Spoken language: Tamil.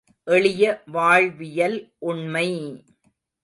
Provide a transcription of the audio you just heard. எளிய வாழ்வியல் உண்மை!